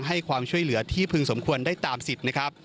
ให้ความช่วยเหลือที่พึงสมควรได้ตามสิทธิ์นะครับ